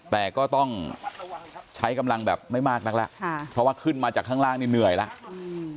แต่ก็ต้องใช้กำลังแบบไม่มากนักแล้วค่ะเพราะว่าขึ้นมาจากข้างล่างนี่เหนื่อยแล้วอืม